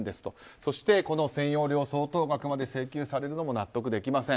そして、占用料相当額まで請求されるのも納得できません。